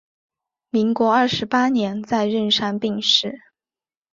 民国二十八年在任上病逝。